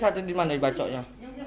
saat itu di mana di bacoknya